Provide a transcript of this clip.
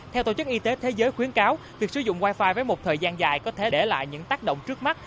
theo tổ chức y tế thế giới khuyến cáo việc sử dụng wifi với một thời gian dài có thể để lại những tác động trước mắt